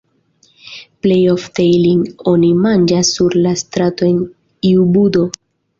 Plejofte ilin oni manĝas sur la strato en iu budo.